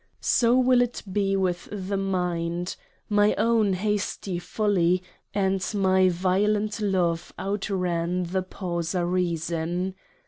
? So will it be with the mind : my own hasty Folly and my " Violent Love outran the Pauser Reason."